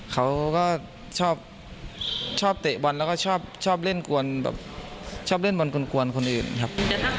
เขาก็ชอบเตะบอลแล้วก็ชอบเล่นบอลกวนคนอื่นครับ